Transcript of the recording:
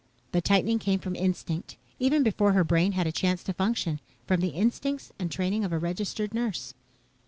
The tightening came from instinct, even before her brain had a chance to function, from the instincts and training of a registered nurse.